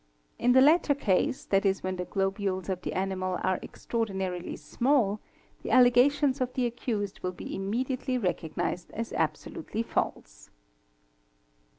In the latter case, ¢.e., when the globules of the animal are extraordinarily small, the allegations of the accused will be immediately Yecognised as absolutely false.